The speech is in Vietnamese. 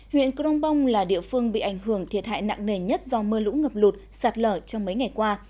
huyện crong bong là địa phương bị ảnh hưởng thiệt hại nặng nề nhất do mưa lũ ngập lụt sạt lở trong mấy ngày qua